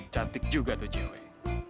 cantik juga tuh cewek